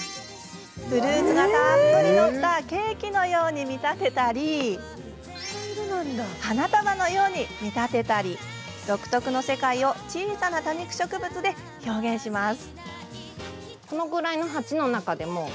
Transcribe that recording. フルーツがたっぷり載ったケーキのように見立てたり花束のように見立てたり独特の世界を小さな多肉植物で表現します。